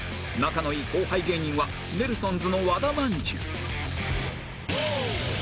仲のいい後輩芸人はネルソンズの和田まんじゅう